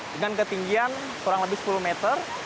dengan ketinggian kurang lebih sepuluh meter